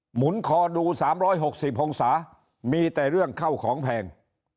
หุนคอดู๓๖๐องศามีแต่เรื่องเข้าของแพง